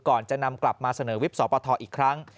ก่อนจะนำกลับมาเสนอวิบสปทอีกครั้ง